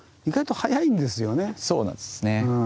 そうなんですね。